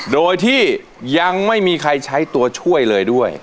โดยที่ยังไม่มีใครใช้ตัวช่วยเลยด้วย